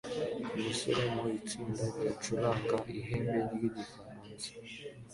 Umusore mu itsinda ryacuranga Ihembe ryigifaransa